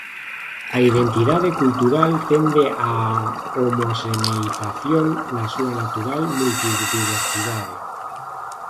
A identidade cultural tende á homoxeneización na súa natural multidiversidade.